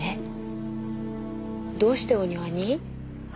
どうしてお庭に？